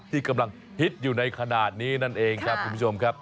ที่กำลังฮิตอยู่ในขณะนี้นั่นเองครับคุณผู้ชมครับ